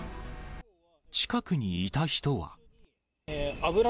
近くにいた人は。